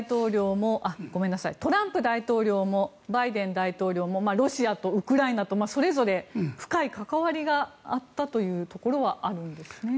トランプ大統領もバイデン大統領もロシアとウクライナとそれぞれ深い関わりがあったというところはあるんですね。